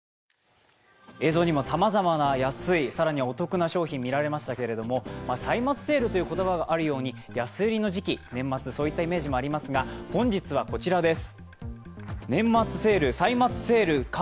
映像にもさまざまな安い更にはお得な商品見られましたけども歳末セールという言葉があるように安売りの時期、年末、そういったイメージもありますが、本日はこちらです。